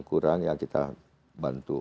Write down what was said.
kurang ya kita bantu